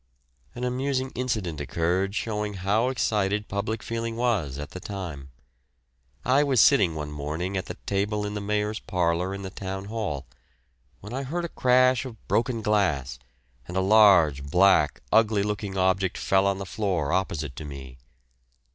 An amusing incident occurred showing how excited public feeling was at the time. I was sitting one morning at the table in the Mayor's parlour in the Town Hall, when I heard a crash of broken glass, and a large, black, ugly looking object fell on the floor opposite to me.